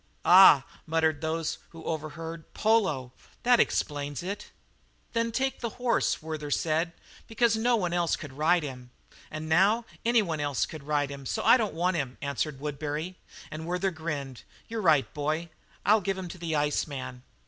"Ah," muttered those who overheard, "polo! That explains it!" "Then take the horse," said Werther, "because no one else could ride him." "And now any one can ride him, so I don't want him," answered Woodbury. And Werther grinned. "You're right, boy. I'll give him to the iceman."